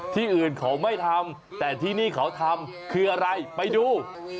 ที่อื่นเขาไม่ทำแต่ที่นี่เขาทำคืออะไรไปดู